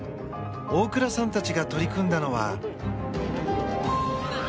大倉さんたちが取り組んだのは。